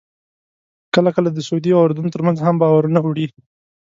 کله کله د سعودي او اردن ترمنځ هم بارونه وړي.